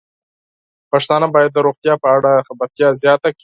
پښتانه بايد د روغتیا په اړه خبرتیا زياته کړي.